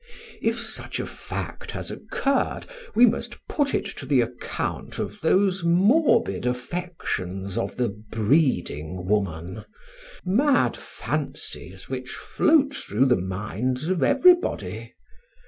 If such a fact has occurred, we must put it to the account of those morbid affections of the breeding woman, mad fancies which float through the minds of everybody.